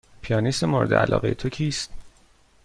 پیانیست مورد علاقه تو کیست؟